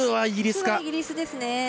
イギリスですね。